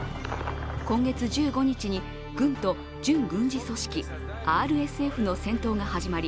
今月１５日に、軍と準軍事組織ＲＳＦの戦闘が始まり